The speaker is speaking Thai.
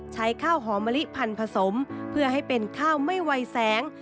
ใช้ข้าวหอมมะลิพันผสมเพื่อให้เป็นข้าวไม่ไวแสง